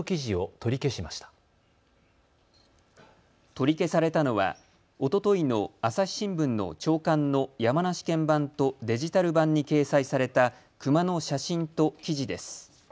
取り消されたのはおとといの朝日新聞の朝刊の山梨県版とデジタル版に掲載されたクマの写真と記事です。